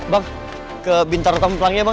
bang ke bintaro taman pelangi ya bang